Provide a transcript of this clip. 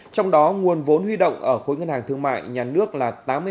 trong đó nguồn vốn huy động ở khối ngân hàng thương mại nhà nước là tám mươi hai hai mươi ba